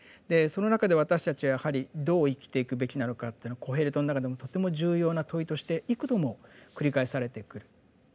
でその中で私たちはやはりどう生きていくべきなのかっていうのはコヘレトの中でもとても重要な問いとして幾度も繰り返されてくる。